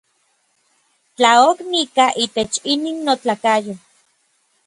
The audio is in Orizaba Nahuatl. Tla ok nikaj itech inin notlakayo.